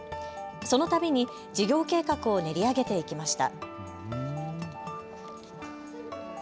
そのたびに事業計画を練り上げていきました。